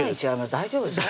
大丈夫ですか？